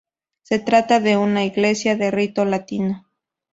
Se trata de una Iglesia de rito latino.